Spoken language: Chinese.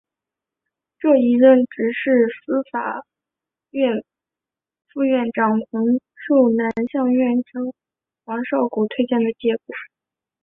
这一任职是司法院副院长洪寿南向院长黄少谷推荐的结果。